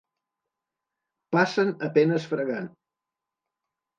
Passen a penes fregant.